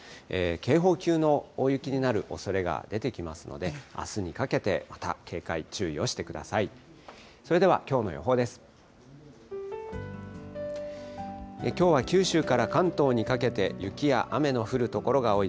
警報級の大雪になるおそれが出てきますので、あすにかけてまた警戒、注意をしてください。